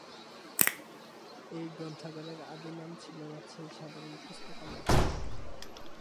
এই গ্রন্থাগারের আদি নাম ছিলো রাজশাহী সাধারণ পুস্তকালয়।